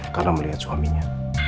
kalau melihat suaminya